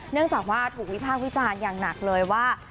เนื่องจากว่าถูกวิพากษ์วิจารณ์อย่างหนักเลยว่า